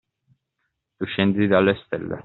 Tu scendi dalle stelle.